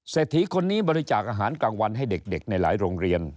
เศรษฐีคนนี้บริจาคอาหารกลางวันให้เด็กในหลายโรงเรียน